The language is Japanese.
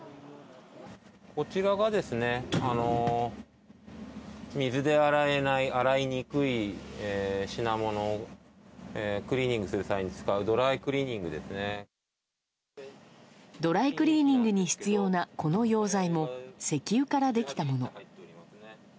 こちらが、水で洗えない、洗いにくい品物をクリーニングする際に使うドライクリーニングでドライクリーニングに必要なこの溶剤も、石油から出来たもの。